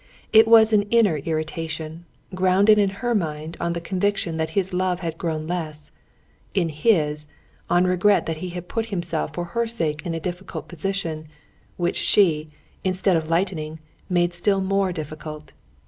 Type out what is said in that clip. It was an inner irritation, grounded in her mind on the conviction that his love had grown less; in his, on regret that he had put himself for her sake in a difficult position, which she, instead of lightening, made still more difficult.